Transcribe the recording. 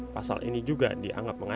pasal ini juga dianggap mengandung